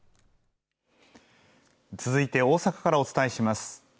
続いて大阪からお伝えします。